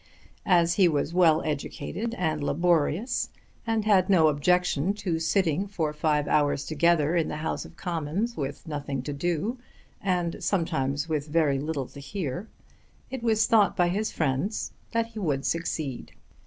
As he was well educated and laborious, and had no objection to sitting for five hours together in the House of Commons with nothing to do and sometimes with very little to hear, it was thought by his friends that he would succeed.